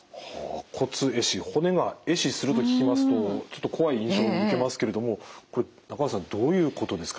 骨壊死骨が壊死すると聞きますとちょっと怖い印象を受けますけれども中川さんどういうことですか？